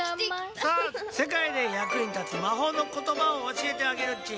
さあせかいでやくにたつまほうのことばをおしえてあげるっち。